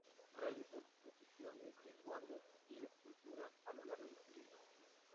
Realizó exposiciones de cuadros y esculturas a lo largo de su vida.